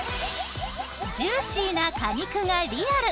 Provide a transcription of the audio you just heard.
ジューシーな果肉がリアル！